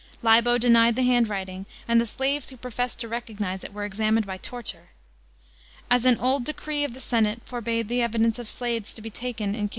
Liho denied the handwriting, and the slaves who professed to recognise it were examined by torture. As r.n old decree of the senate iorbade the evidence of slaves to be taken in cr.